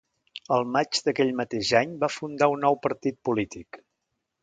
El maig d'aquell mateix any va fundar un nou partit polític.